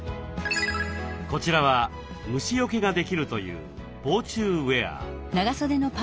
こちらは虫よけができるという防虫ウエア。